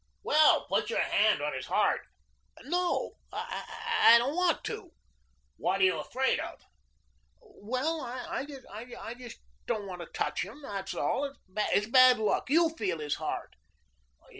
"Well, put your hand on his heart." "No! I I don't want to." "What you afraid of?" "Well, I just don't want to touch him, that's all. It's bad luck. YOU feel his heart."